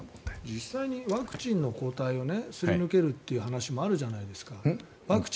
実際にワクチンの抗体をすり抜けるという話もあるじゃないですか。